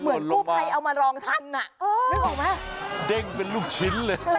เหมือนกู้ภัยเอามารองทันอ่ะนึกออกไหมเด้งเป็นลูกชิ้นเลย